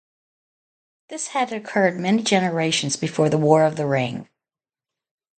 This had occurred "many generations" before the War of the Ring.